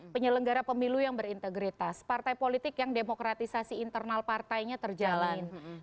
penyelenggara pemilu yang berintegritas partai politik yang demokratisasi internal partainya terjalan